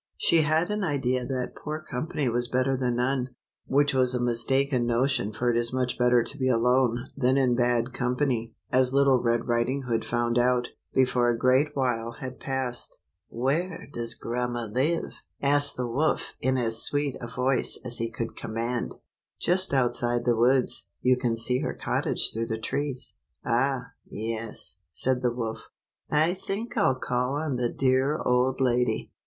She had an idea that poor company was better than none, which was a mistaken notion, for it is much better to be alone than in bad company, as Little Red Riding Hood found out, before a great while had passed. "Where does grandma live?" asked the wolf in as sweet a voice as he could command. "Just outside the woods. You can see her cottage through the trees." "Ah, yes;" said the wolf. "I think I'll call on the dear old lady.